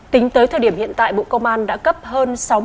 tính tới thời điểm hiện tại bộ công an đã cấp hơn